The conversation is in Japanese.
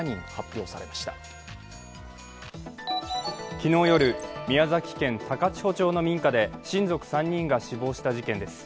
昨日夜、宮崎県高千穂町の民家で親族３人が死亡した事件です。